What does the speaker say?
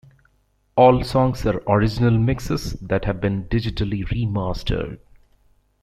All songs are original mixes that have been digitally remastered.